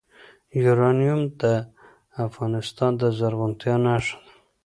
یورانیم د افغانستان د زرغونتیا نښه ده.